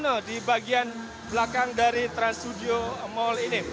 dan di bagian belakang dari trans studio mall ini